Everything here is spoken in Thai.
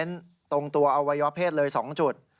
ก็โดนไปเน้นตรงตัวอวัยวะเพศเลย๒จุด